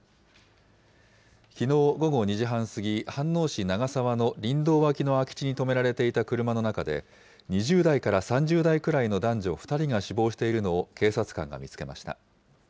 きのう午後２時半過ぎ、飯能市長沢の林道脇の空き地に止められていた車の中で、２０代から３０代くらいの男女２人が死亡しているのを、警察官が見つけました。